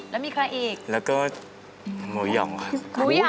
แล้วมีใครอีกแล้วก็หมูหย่องครับ